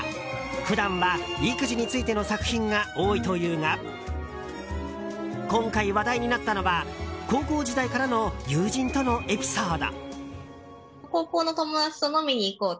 普段は育児についての作品が多いというが今回、話題になったのは高校時代からの友人とのエピソード。